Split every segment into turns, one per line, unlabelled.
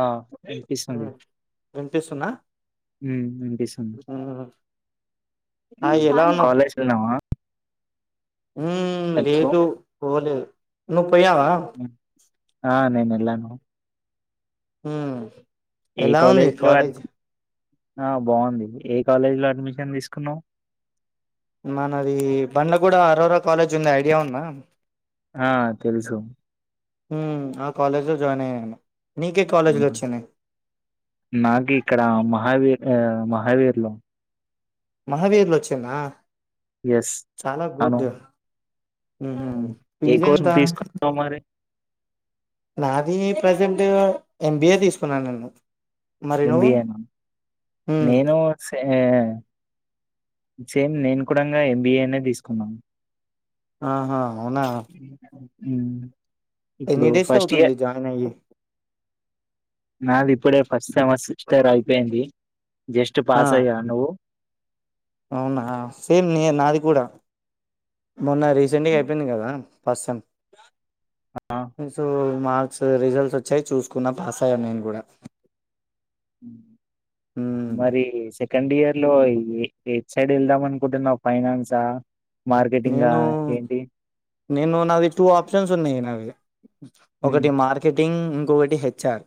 ఆ వినిపిస్తుంది
హ్మ్ వినిపిస్తుందా?
ఉ వినిపిస్తుంది
హ్మ్
కాలేజ్ కి పోయినవా
ఊ లేదు పోలేదు నువ్ పోయినవా
ఆ నేను ఎల్లనూ
ఊ
ఏ కాలేజ్ లో ఆ బాగుంది ఏ కాలేజీలో అడ్మిషన్ తీసుకున్నావు
మనది బండగూడ అరోరా కాలేజ్ ఉంది ఐడియా ఉందా
ఆ తెలుసు
హ్మ్ ఆ కాలేజ్ లో జాయిన్ అయ్యాను నీకే కాలేజీలు వచ్చినాయి.
నాకు ఇక్కడ మహావీర్ మహావీర్ లో
మహావీర్లు వచ్చిందా
ఎస్
చాలా
అవును
గుడ్ హ్మ్
ఉమ్. ఏ
ఫేస్
కోర్సు
ఎంతా
తీసుకున్నావు మరి
నాది ప్రజెంట్ ఎంబిఏ తీసుకున్నా నన్ను
ఎంబిఏ
హ్మ్
నేను ఆ సేమ్ నేను కూడా ఎంబిఏ అనే తీసుకున్నాను
ఆహా అవునా
మ్మ్
ఎన్ని
ఇప్పుడు
డేస్
ఫస్ట్
అవుతుంది
ఇయర్
జాయిన్ అయ్యి?
నాది ఇప్పుడే ఫస్ట్ సెమస్టర్ సిస్టర్ అయిపోయింది జస్ట్
ఆ
పాస్ అయ్యా నువ్వు
అవునా సేమ్ నీ నాది కూడా మొన్న రీసెంట్గా అయిపోయింది కదా ఫస్ట్ సెమ్
ఆ,
సో మార్క్స్ రిజల్ట్స్ వచ్చాయి చూసుకున్నా పాస్ అయ్యాను నేను కూడా హ్మ్.
మరి సెకండ్ ఇయర్ ఇలో ఏ ఎటు సైడ్ వెళ్దాం అనుకుంటున్నావు ఫైనాన్సా మార్కెటింగా
నేను
ఏంటి
నేను నాది టూ ఆప్షన్స్ ఉన్నాయి నావి
హ్మ్
ఒకటి మార్కెటింగ్ ఇంకొకటి హెచ్ఆర్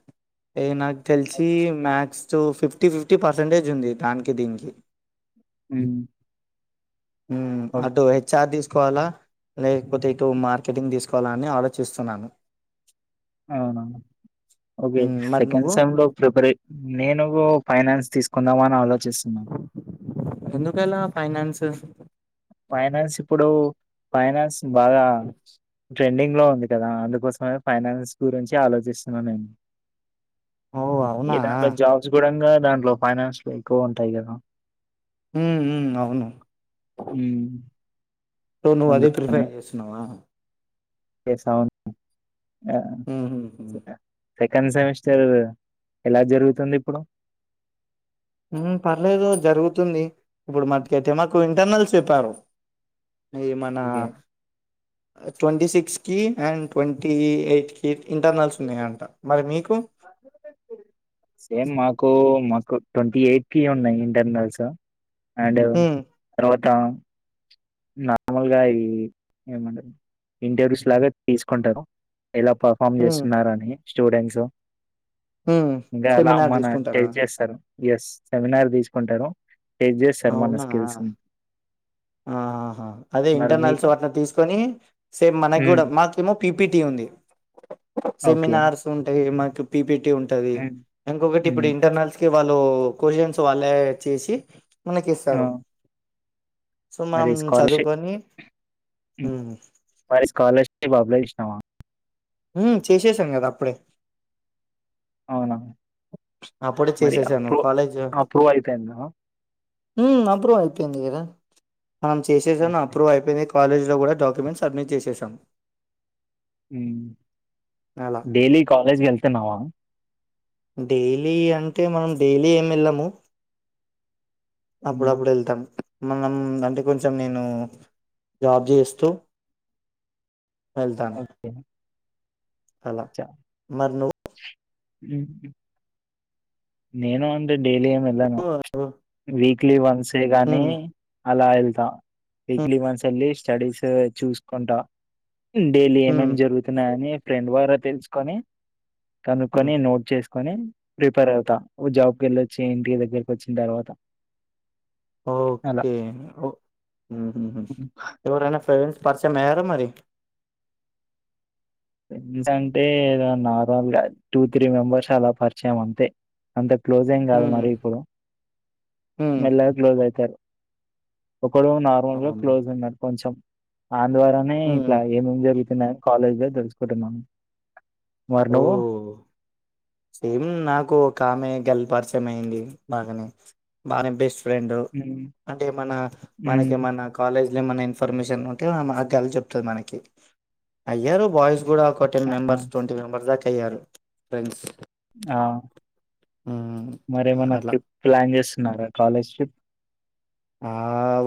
ఏ నాకు తెలిసి max so fifty fifty percentage ఉంది దానికి దీనికి
హ్మ్
మ్మ్
ఓకే
అదో అది తీసుకోవాలా లేకపోతే ఇటు మార్కెటింగ్ తీసుకోవాలా అని ఆలోచిస్తున్నాను
అవునా ఓకే
హ్మ్. మరి
సెకండ్
నువ్వు
సమ్ లో ప్రిపరేన్ నేను ఫైనాన్స్ తీసుకుందామా అని అలో
ఎందుకలా ఫైనాన్స్
ఫైనాన్స్ ఇప్పుడు ఫైనాన్స్ బాగా ట్రెండింగ్ లో ఉంది కదా అందుకోసమే ఫైనాన్స్ గురించి ఆలోచిస్తున్నా నేను
ఓ అవునా
ఏ దాంట్లో జాబ్స్ కూడాంగా దాంట్లో ఫైనాన్స్ లో ఎక్కువ ఉంటాయి కదా
హ్మ్ హ్మ్ అవును
మ్మ్
సో నువ్వు అదే ప్రిఫేర్ చేస్తున్నావా
అవును ఆ
హుహుహు.
సరే సెకండ్ సెమిస్టర్ ఎలా జరుగుతుంది ఇప్పుడు
మ్మ్ పర్లేదు జరుగుతుంది ఇప్పుడు మాకు అయితే మాకు ఇంటర్నల్స్ చెప్పారు ఈ మనా
ఓకే
ట్వంటీ సిక్స్ కి అండ్ ట్వంటీ ఎయిట్ కి ఇ ఇంటర్నల్స్ ఉన్నాయాంట మరి మీకు
కు ట్వంటీ ఎయిట్ కి ఉన్నాయి ఇంటర్నల్స్ అండ్
హ్మ్
తర్వాత నార్మల్గా ఇవి ఏమంటారు ఇంటర్వ్యూస్ లాగా తీసుకుంటారు ఎలా పర్ఫార్మ్
హ్మ్
చేస్తున్నారా అని స్టూడెంట్స్
హ్మ్
ఇంగా అలా
సెమినార్
మన
తీసుకుంటారా
టెస్ట్ చేస్తారు ఎస్ సెమినార్ తీసుకుంటారు చెక్ చేస్తారు మన
అవునా
స్కిల్స్ ని
టా అదే ఇంటర్నల్స్ వాటిని తీసుకొని సేమ్ మనకి
ఉమ్,
కూడా మాకేమో పీపిటీ ఉంది
ఓకే
సెమినార్స్ ఉంటాయి మాకి పిపిటి ఉంటది
ఉమ్,
ఇంకొకటి ఇప్పుడు
ఉమ్,
ఇంటర్నల్స్ కి వాళ్ళు క్వచన్స్ వాళ్ళే చేసి మనకి
ఆ,
ఇస్తారు సో మనం
మరి స్కాలర్షిప్
చదువుకొని హ్మ్
మరి స్కాలర్షిప్ అప్లై చేసినావా
మ్మ్ చేసేసాం కదా అప్పుడే
అవునా
అప్పుడే
మరి
చేసేసాను
అప్రూవ్
కాలేజ్
అప్రూవ్ అయిపోయిందా
ఉ అప్రూవ్ అయిపోయింది కదా మనం చేసేశాను అప్రూవ్ అయిపోయింది కాలేజీలో కూడా డాక్యుమెంట్ సబ్మిట్ చేసేసాం
ఉ
అలా
డైలీ కాలేజ్ కి వెల్తున్నావా
డైలీ అంటే మనం డైలీ ఏం వెళ్ళము
ఉమ్.
అప్పుడప్పుడు వెళ్తాం మనం అంటే కొంచెం నేను జాబ్ చేస్తూ వెళ్తాను
ఓకే
అలా మరి నువ్వు
ఉ నేను అంతే డైలీ ఏమి వెళ్ళను
నువ్వు
వీక్లీ వన్సే గానీ
హ్మ్
అలా వెళ్తా
హ్మ్
వీక్లీ వన్స్ వెళ్ళి స్టడీస్ చూసుకుంటా డైలీ
హ్మ్
ఏమేమి జరుగుతున్నాయా అని ఫ్రెండ్ వారా తెలుసుకొని
హ్మ్
కనుకొని నోట్ చేసుకొని ప్రిపేర్ అవుతా జాబ్కి వెళ్ళొచ్చి ఇంటి దగ్గరకి వచ్చిన తర్వాత
ఓకే
అలా
ఒ ఉ హూ హు ఎవరైనా ఫోన్ పరిచయం అయ్యారా మరి
ఫ్రెండ్స్ అంటే నార్మల్ గా టూ త్రీ మెంబర్స్ అలా పరిచయం అంతే అంత క్లోజ్ ఎంకాదు
హ్మ్
మరీ ఇప్పుడు
హ్మ్
మెల్లగ క్లోజ్ అయితారు ఒకడు నార్మల్ గా
అవునా
క్లోజ్ ఉన్నాడు కొంచెం వాని ద్వారానే
హ్మ్
ఇట్లా ఏమేం జరుగుతున్నాయి కాలేజ్లో తెలుసుకుంటున్నాను మరి నువ్వు
ఓ సేమ్ నాకు ఒకామె గల్ పరిచయం అయింది బాగానే బాగానే బెస్ట్ ఫ్రెండ్
ఉమ్,
అంటే మన
ఉమ్,
మనకేమన కాలేజ్ ఏమన్నా ఇన్ఫర్మేషన్ ఉంటే ఆమె ఆ గల్ చెప్తది మనకి అయ్యారు బాయ్స్ కూడా ఫోర్టీన్
ఆ,
మెంబర్స్ ట్వంటీ మెంబర్స్ దాక అయ్యారు ఫ్రెండ్స్
ఆ
మ్మ్
మరేమన్నా
అట్లా
ట్రిప్ ప్లాన్ చేస్తున్నారా కాలేజ్ ట్రిప్
ఆ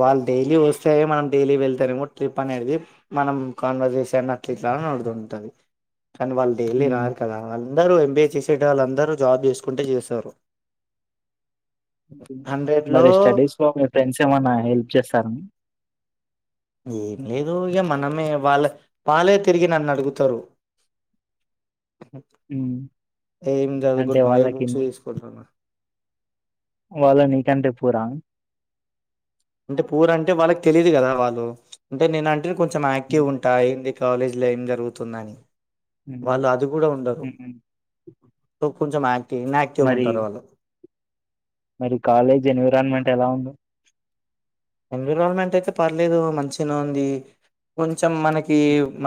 వాళ్ళు డైలీ వస్తే మనం డైలీ వెళ్తారు ట్రిప్ అనేది మనం కాన్వర్సేషన్ సెమ్ అట్లీట్ లా అడుగుతుంటది కానీ వాళ్ళు డైలీ
ఉమ్,
రారు కదా వాళ్ళు అందరూ ఎంబీఏ చేసేటోళ్ళు అందరూ జాబ్ చేసుకుంట చేస్తారు హండ్రెడ్ లో
మరి స్టడీస్ లో మీ ఫ్రెండ్స్ ఏమన్నా హెల్ప్ చేస్తారండి
ఏం లేదు ఇక మనమే వాళ్ళ వాళ్ళే తిరిగి నన్ను అడుగుతారు
ఉమ్,
ఏం
అంటే
జదుకుంటున్నావు ఏ బుక్స్ తీసుకుంట్టున్న
వాళ్లు నీకంటే పూరా
అంటే పూరు అంటే వాళ్ళకి తెలీయదు కదా వాళ్ళు అంటే నేను అంటేనే కొంచెం యాక్టివ్
ఉమ్,
గ ఉంటా ఏంది కాలేజీలో ఏం జరుగుతుందని
ఉమ్,
వాళ్ళు అది కూడా ఉండరు
ఉమ్, ఉమ్.
కొంచెం యాక్టివ్న్ ఇన్యాక్టివ్ గ
మరి
ఉంటరు వాళ్ళు
మరి కాలేజ్ ఎన్విరాన్మెంట్ ఎలా ఉంది
ఎన్విరాన్మెంట్ అయితే పర్లేదు మంచిగనె ఉంది కొంచెం మనకి మ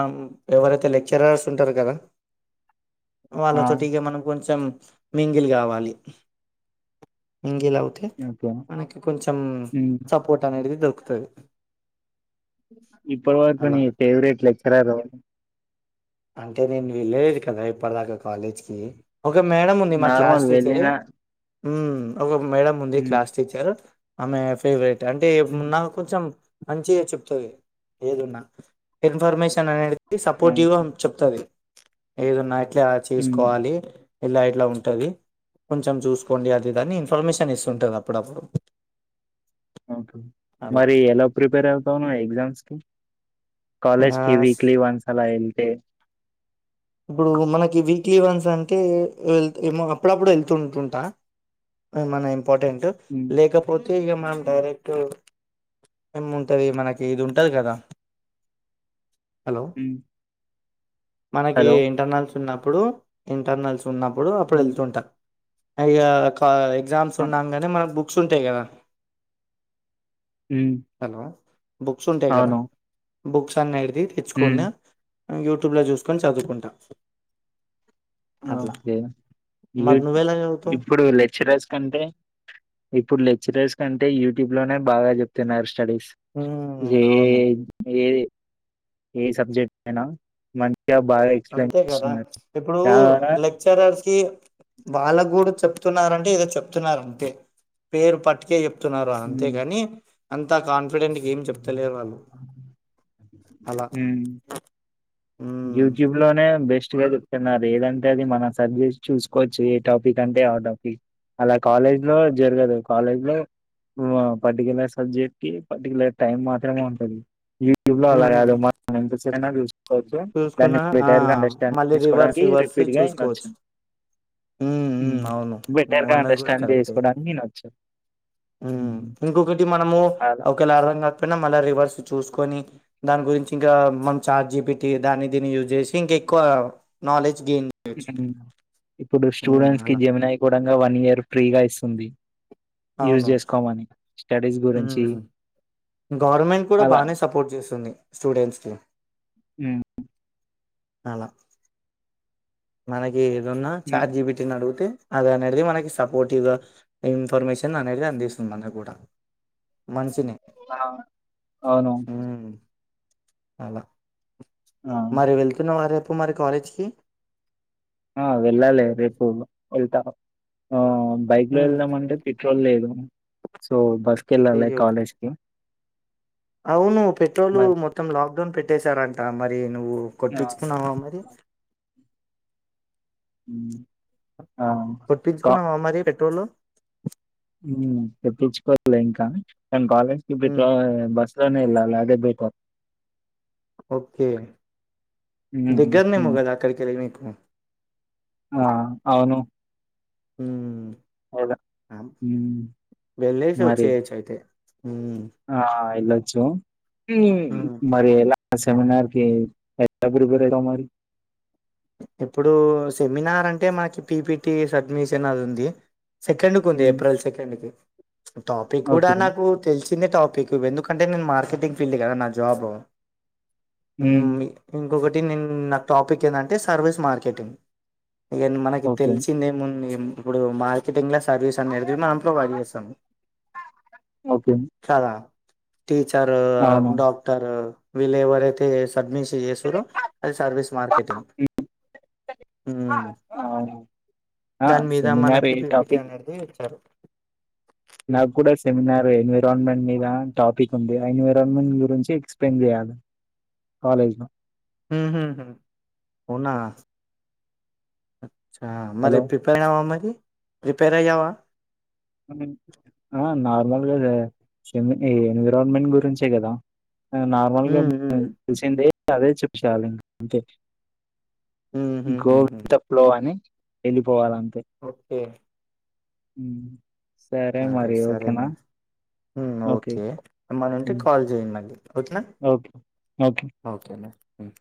ఎవరైతే లెక్చరర్స్ ఉంటారు కదా
ఆ
వాళ్ళతోటి ఇక మనం కొంచెం మింగిల్ కావాలి మింగిల్ అవుతే
ఓకే
మనకి కొంచం
ఉమ్
సపోర్ట్ అనేది దొరుకుతది
ఇప్పటి వరకు
అలా
నీ ఫేవరెట్ లెక్చరర్ ఎవరు
అంటే నేను వెల్లలేదు కదా ఇప్పటిదాకా కాలేజ్ కి ఒక మేడం ఉంది మా క్లాస్
నార్మల్
టీచరే
వెళ్ళిన
ఊ ఒక మేడం ఉంది
ఉమ్
క్లాస్ టీచర్ ఆమె ఫేవరెట్ అంటే మ్
ఉమ్
నాకు కొంచెం మంచిగా చెప్తది ఏదున్నా ఇన్ఫర్మేషన్ అనేది.
ఆ
సపోర్టివ్గా చెప్తది ఏదన్నా ఇట్ల
ఉమ్
చేసుకోవాలి ఇలా ఇట్లా ఉంటుంది కొంచెం చూసుకోండి అది ఇది అని ఇన్ఫర్మేషన్ ఇస్తుంటది అప్పుడప్పుడు.
ఓకే
అలా
మరి ఎలా ప్రిపేర్ అవుతావ్ ఎగ్జామ్స్ కి
ఆ
కాలజ్కి వీక్లీ వన్స్ అలా వెళ్తే
ఇప్పుడు మనకి వీక్లీ వన్స్ అంటే వెల్త్ ఏమో అప్పుడప్పుడు వెళ్తుంటుంటా. అద్ మన ఇంపార్టెంటు
ఉమ్
లేకపోతే ఇక మనం డైరెక్టు ఏముంటది మనకి ఇది ఉంటది కదా హలో
ఉ
ఏ ఇంటర్నల్స్ ఉన్నప్పుడు ఇంటర్నల్స్ ఉన్నప్పుడు అప్పుడు
ఉమ్
వెళ్తుంటా. అలా కా ఎగ్జామ్స్
ఆ
ఉన్నాంగానే మనకు బుక్స్ ఉంటాయి కదా.
ఉమ్
హలో బుక్స్ ఉంటాయి కదా
అవును
బుక్స్ అన్ని ది
ఉమ్
తెచ్చుకొన్య ఆ యూట్యూబ్ లో జూసుకొని చదువుకుంటా అట్లా
ఓకే ఇగ
మరి నువ్వెలా చదువుతావ్
ఇప్పుడు లెక్చరస్ కంటే ఇప్పుడు లెక్చరర్స్ కంటే యూట్యూబ్ లోనే బాగా చెప్తున్నారు స్టడీస్ ఏ
ఉమ్ అవును
ఏ ఏ సబ్జెక్ట్ అయినా మంచిగా బాగా ఎక్స్ప్లెయిన్ చేస్తున్నారు.
రో
దానివల్ల
లెక్చరస్ కి వాళ్లకి కూడ ప్పుడు చెప్తున్నరంటే ఏదో చెప్తున్నారు అంతే పేరు పట్టుకే చెప్తున్నారు అ అంతే
మ్
కాని అంతా కాన్ఫిడెంట్ ఎమ్ చెప్తలే వాళ్ళు అలా
ఉ
ఉమ్
జుజుబ్ లోనే బెస్ట్ గా చెప్తున్నారు ఏదంటే అది మన సబ్జెక్ట్ చూసుకోవచ్చు ఏ టాపిక్ అంటే ఆ టాపిక్. అలా కాలేజ్ లో జరగదు కాలేజ్ లో మో పర్టికులర్ సబ్జెక్ట్ కి పర్టికులర్ టైమ్ మాత్రమే ఉంటది యూట్యూబ్ లో అలా
ఉమ్
కాదు మనమ్ ఎంత సేపైనా చుస్కో చ్చు దాన్ని
చూసుకున్నా ఆ
బెటర్ గా అండర్ స్టాండ్
మళ్ళీ రివర్స్
చేసుకోవడానికి
రివర్స్
రిపీట్ గా వినచ్చు.
చూసుకోవచ్చు ఉమ్
ఉ
ఉమ్ అవును నువ్వు
బెటర్గా అండర్స్టాండ్ చేసుకోవడానికి వినచ్చు.
ఉ ఇంకొకటి మనము
అలా
ఒకలారంగా పోయిన మళ్లా రివర్స్ చూసుకొని దాని గురించి ఇంగ మనమ్ చాట్ జీపీటీ టి దాని దీన్ని యూజ్ చేసి ఇంక ఎక్కువ నాలెడ్జ్ గెన్ చేయచ్చు.
ఉమ్. ఇప్పుడు స్టూడెంట్స్ కి జమున అయి కూడా వన్ ఇయర్ ఫ్రీగా ఇస్తుంది. యూజ్
అవును
చేసుకోమని స్టడీస్ గురించి
ఉమ్ గవర్నమెంట్ కూడా
అలా
బానే సపోర్ట్ చేస్తుంది స్టూడెంట్స్ కి.
ఉ
అలా మనకి ఏదన్నా
ఉమ్
చాట్ జీపిటిని అడిగితే అది అనేది మనకి సపోర్టివ్ గా ఇన్ఫర్మేషన్ అనేది అందిస్తుంది అది కూడా. మనుషీని
ఆ అవును
అలా
ఆ
మరి వెళ్తున్నవా రేపు మరి కాలేజ్కి
ఆ వెళ్ళాలలే రేపు వెళ్తా ఆ బైక్ లో
ఉమ్
వెళ్దాం అంటే పెట్రోల్ లేదు సో బస్ కి వెళ్ళాలి
అయ్యో
కాలేజ్ కి.
అవును పెట్రోలు
మరి
మొత్తం లాక్ డౌన్ పెట్టేశారంట మరి. నువ్వు
ఆ
కొట్టించుకున్నావా మరి
ఉ
కొట్టించుకున్నావా మరి పెట్రోలు
ఉ తెప్పించుకోవాలి ఇంకా నేను కాలేజ్కిి
ఉమ్
పెట్రో బస్ లోనే వెళ్ళాల. ే బట [unintelligible]
ఓకే
ఉమ్
దగ్గరనేమో
ఉమ్
కాదా అక్కడికి అది మీకు
ఆ అవును కదా
ఉమ్
ఉమ్
వెళ్ళసి వచ్చేయచ్చు అయితే ఉమ్
ఆఁ ఎళ్లొచ్చినం మ్మ్
ఉమ్
మరి ఎలా సెమినార్ కి ఎలా ప్రిపేర్ అయితవ్ మరి
ఇప్పుడు సెమినార్ అంటే మాకి పి. పి. టి సడ్మిషన్ అది ఉంది. సెకండ్ కు ఉంది
హ్మ్
ఏప్రిల్ సెకండ్ కి, టాపిక్ కూడ
ఓకే
నాకు తెలిసిందే టా పిక్ ఎందుకంటే నేను మార్కెటింగ్ ఫీల్డ్ కదా నా జాబు
హ్మ్
మ్మ్ ఇంగొకటి నెన్ నా టాపిక్ ఏందంటే సర్వీస్ మార్కెటింగ్. ఇగ మనకి
ఓకే
తెలిసిందేముంది ఇప్పుడు మార్కెటింగ్ల సర్వీస్ అనేది మనం ప్రొవైడ్ చేస్తాము
ఓకే
కదా. టీచరు
అవును
డాక్టరు విళేవరయితే చె సద్మిష్ చేస్తురో అది సర్వీస్ మార్కెటింగ్.
హ్మ్.
మ్మ్
అవును ఆ
దాని మీద
సెమినార్
మనకి
ఏ
పి. పి. టీ
టాపిక్
అనేటిది ఇచ్చారు.
నీక్ బాగన్ టాపిక్ ఉందిగా ఎన్విరాన్మెంట్ గురించి ఎక్స్ప్లెయిన్ చేయాలి కాలేజ్ లో
హ్మ్ హు హు అవునా మరి
హలో
ప్రిపేర్ అయినవా మరి ప్రిపేర్ అయ్యావా?
నెన్ ఆఁ నార్మల్గా ద ఎన్విరాన్మెంట్ గురించే కదా నార్మల్గా
ఉమ్
[inaudible]
ఉమ్
తెలిసిందే అదే చెప్పు చాలు ఇంక అంతే.
ఉమ్ హు హు
గోల్
హు
స్టెప్లో అని వెళ్ళిపోవాల
ఓకే
మ్
సరే సరే మరి మ్ ఓకే ఏమన్నుంటే
ఉమ్.
కాల్ చేయండి మళ్ళీ ఓకేనా
ఓకే
ఓకే మరి మ్